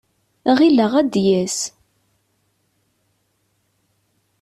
Ɣileɣ ad d-yas.